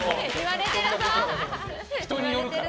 人によるから。